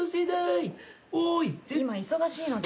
今忙しいので。